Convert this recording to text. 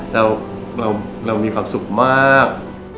เราเราเรามีความสุขมาก